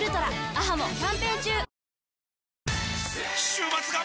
週末が！！